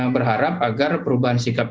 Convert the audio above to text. berharap agar perubahan sikap